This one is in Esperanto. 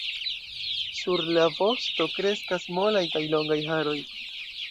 Sur la vosto kreskas molaj kaj longaj haroj.